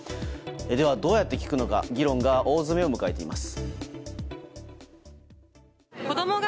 では、どうやって聞くのか議論が大詰めを迎えています。